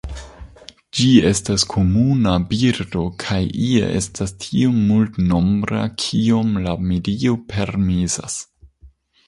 Ĝi estas komuna birdo kaj ie estas tiom multnombra kiom la medio permesas.